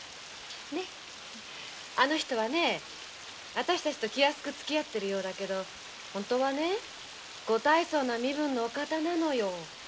あの人はあたしたちと気安くつきあってるようだけど本当はご大層な身分のお方なのよ。